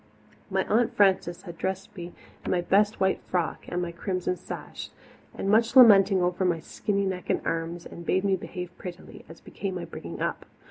My Aunt Frances had dressed me in my best white frock and my crimson sash, with much lamenting over my skinny neck and arms, and bade me behave prettily, as became my bringing up.